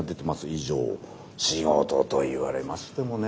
以上仕事と言われましてもね。